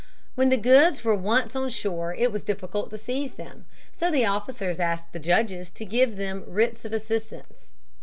When the goods were once on shore, it was difficult to seize them. So the officers asked the judges to give them writs of assistance.